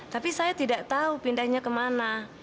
tapi saya tidak tahu pindahnya kemana